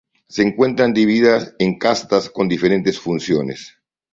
Se encuentran divididas en castas con diferentes funciones.